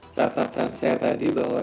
catatan saya tadi bahwa